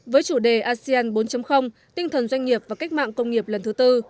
với chủ đề asean bốn tinh thần doanh nghiệp và cách mạng công nghiệp lần thứ tư